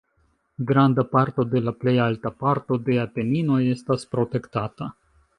Granda parto de la plej alta parto de Apeninoj estas protektata.